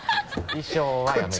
衣装はやめる。